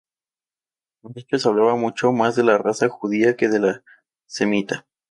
De hecho se hablaba mucho más de la raza judía que de la semita".